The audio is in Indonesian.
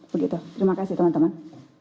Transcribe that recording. begitu terima kasih teman teman